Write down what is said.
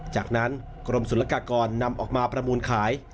จากนั้นกรมศุลกากรนำออกมาประมูลขาย